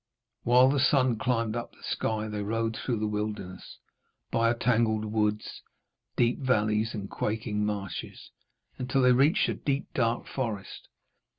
While the sun climbed up the sky they rode through the wilderness, by tangled woods, deep valleys and quaking marshes, until they reached a deep dark forest.